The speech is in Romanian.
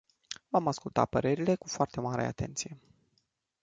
V-am ascultat părerile cu foarte mare atenție.